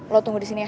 lo tunggu disini ya